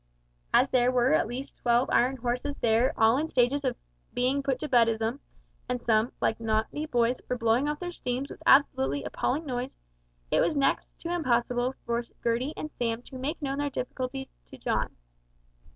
As there were at least twelve iron horses there in all stages of being put to bedism, and some, like naughty boys, were blowing off their steam with absolutely appalling noise, it was next to impossible for Gertie and Sam to make known their difficulty to John.